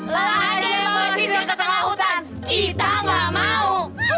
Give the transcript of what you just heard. loh lo aja yang boleh sisir ke tengah hutan kita gak mau